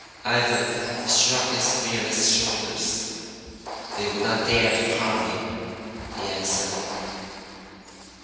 Ivan shrugged his fearless shoulders. "They would not dare to harm me," he answered.